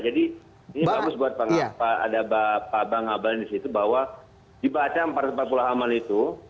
jadi ini bagus buat pak abalin di situ bahwa dibaca empat ratus empat puluh halaman itu